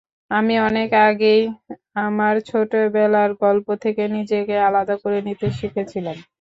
আমি অনেক আগেই আমার ছোটবেলার গল্প থেকে নিজেকে আলাদা করে নিতে শিখেছিলাম।